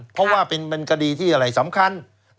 เพราะว่าเป็นคดีที่อะไรสำคัญ